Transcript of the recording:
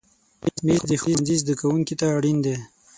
مېز د ښوونځي زده کوونکي ته اړین دی.